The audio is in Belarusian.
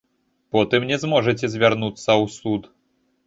Потым не зможаце звярнуцца ў суд.